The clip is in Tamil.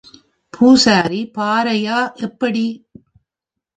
பூசாரி, பாரையா, எப்படி?